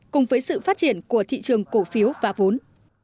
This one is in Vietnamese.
cùng với sự phát triển của thị trường cổ phiếu và vốn